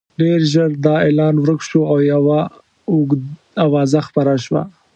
ډېر ژر دا اعلان ورک شو او یوه اوازه خپره شوه.